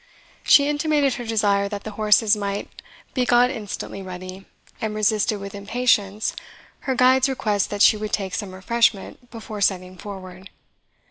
She intimated her desire that the horses might be got instantly ready, and resisted with impatience her guide's request that she would take some refreshment before setting forward.